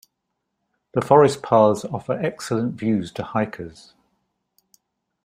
The forest paths offer excellent views to hikers.